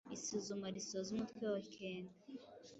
Isuzuma risoza umutwe wa kenda